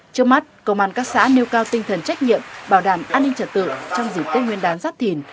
trước mắt công an các xã nêu cao tinh thần trách nhiệm bảo đảm an ninh trật tự trong dịp tết nguyên đán giáp thìn